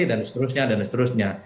dan seterusnya dan seterusnya